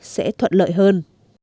sẽ thuận lợi hơn